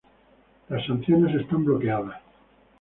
Las sanciones están bloqueadas.